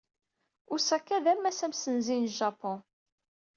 Osaka d ammas amsenzi n Japun.